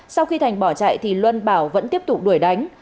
sau khi thành bỏ chạy thì luân bảo vẫn tiếp tục đuổi đánh